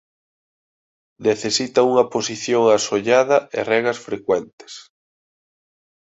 Necesita unha posición asollada e regas frecuentes.